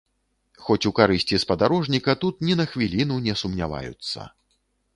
Хоць у карысці спадарожніка тут ні на хвіліну не сумняваюцца.